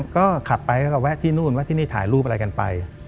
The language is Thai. ก็ขับไปแล้วก็แวะที่นู่นแวะที่นี่ถ่ายรูปอะไรกันไป